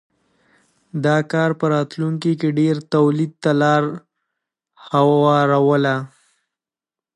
دا کار په راتلونکې کې ډېر تولید ته لار هواروله.